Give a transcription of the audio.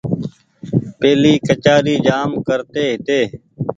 پيهلي ڪچآري جآم ڪرتي هيتي۔